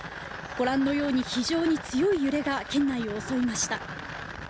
ご覧のように非常に強い揺れが県内を襲いました。